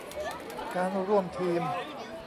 การร่วมทีม